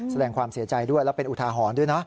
แสดงความเสียใจด้วยและเป็นอุทาหรณ์ด้วยนะ